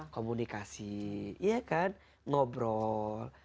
komunikasi ya kan ngobrol